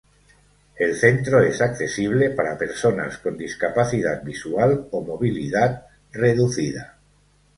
El Centro es accesible para personas con discapacidad visual ó movilidad reducida.